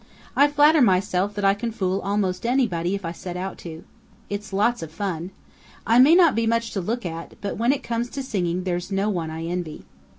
"I flatter myself that I can fool almost anybody if I set out to. It's lots of fun. I may not be much to look at, but when it comes to singing there's no one I envy.